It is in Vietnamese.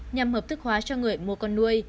nhằm hợp tức khoản cho người mua con nuôi